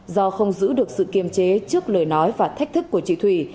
do không giữ được sự kiềm chế trước lời nói và thách thức của chị thủy